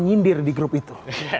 nyindir di grup itu